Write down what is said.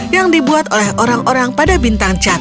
yang dibuat oleh orang orang pada bintang chat